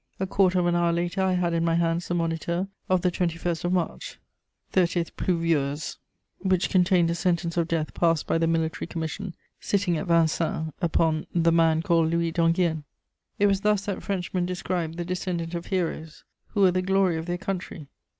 A quarter of an hour later, I had in my hands the Moniteur of the 21st of March (30 Pluviôse), which contained a sentence of death passed by the military commission, sitting at Vincennes, upon 'the man called Louis d'Enghien!' It was thus that Frenchmen described the descendant of heroes who were the glory of their country!